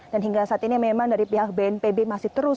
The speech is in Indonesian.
dan hingga saat ini memang dari pihak bnpb masih terus